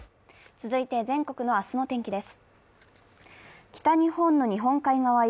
続いて全国の明日の天気です。